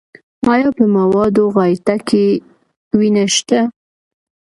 ایا په موادو غایطه کې وینه شته؟